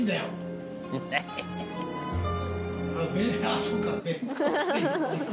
あぁそうか。